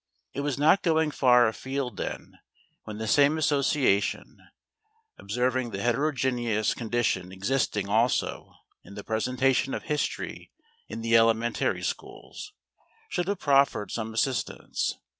It was not going far afield, then, when the same association, observing the heterogeneous condition existing also in the presentation of history in the elementary schools, should have proffered some assistance.